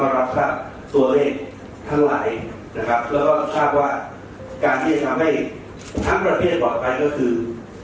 รับทราบตัวเลขเท่าไหร่นะครับแล้วก็ทราบว่าการที่จะทำให้ทั้งประเทศปลอดภัยก็คือ